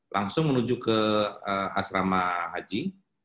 langsung menuju ke asrama haji